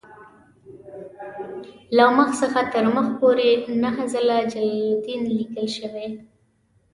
له مخ څخه تر مخ پورې نهه ځله جلالدین لیکل شوی.